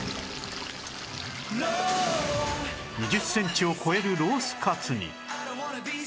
２０センチを超えるロースかつに